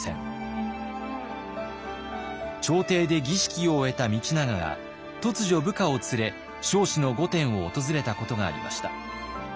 朝廷で儀式を終えた道長が突如部下を連れ彰子の御殿を訪れたことがありました。